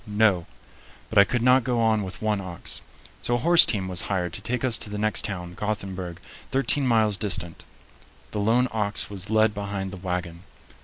No. But I could not go on with one ox. So a horse team was hired to take us to the next town, Gothenburg, thirteen miles distant. The lone ox was led behind the wagon.